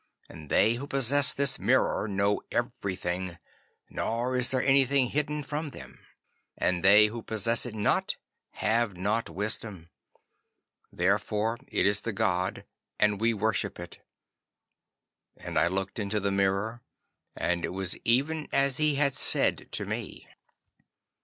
And they who possess this mirror know everything, nor is there anything hidden from them. And they who possess it not have not Wisdom. Therefore is it the god, and we worship it." And I looked into the mirror, and it was even as he had said to me.